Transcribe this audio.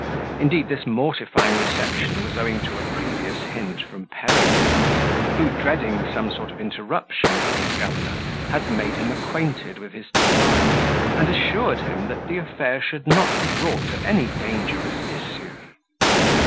Indeed, this mortifying reception was owing to a previous hint from Peregrine, who, dreading some sort of interruption from his governor, had made him acquainted with his design, and assured him, that the affair should not be brought to any dangerous issue.